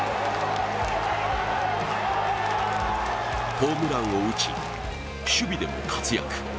ホームランを打ち、守備でも活躍。